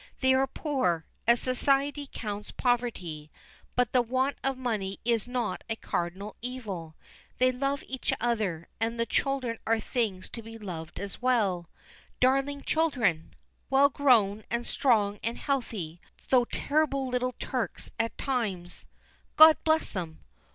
They are poor as society counts poverty but the want of money is not a cardinal evil. They love each other; and the children are things to be loved as well darling children! well grown, and strong, and healthy, though terrible little Turks at times God bless them!